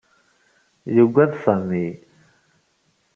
Yuggad Sami.